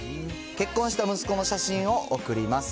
結婚した息子の写真を送ります。